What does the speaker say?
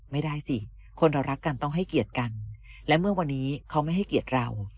ไม่ได้สิคนเรารักกันต้องให้เกียรติกันและเมื่อวันนี้เขาไม่ให้เกียรติเรา